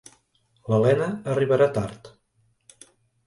L'Elena arribarà tard.